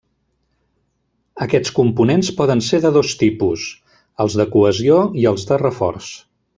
Aquests components poden ser de dos tipus: els de cohesió i els de reforç.